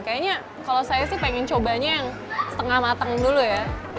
kayaknya kalau saya sih pengen cobanya yang setengah mateng dulu ya